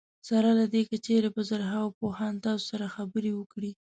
سره له دې که چېرې په زرهاوو پوهان تاسو سره خبرې وکړي.